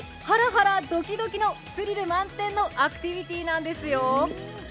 ハラハラドキドキのスリル満点のアクティビティーなんですよ。